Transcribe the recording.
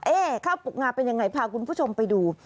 ข้าวปลูกงาเป็นยังไงพาคุณผู้ชมไปดู